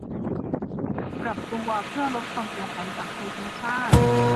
ปรับตัวเพื่อลดความเสียหายจากภัยธรรมชาติ